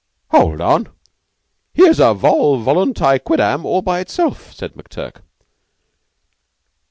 "Hold on! Here's a vol voluntate quidnam all by itself," said McTurk.